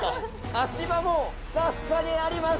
足場もすかすかであります。